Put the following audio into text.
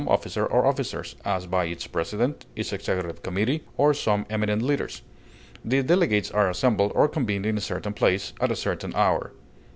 A convention is called by some officer or officers, as by its president, its executive committee, or some eminent leaders; the delegates are assembled or convened in a certain place, at a certain hour.